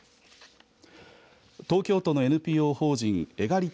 東京都のＮＰＯ法人エガリテ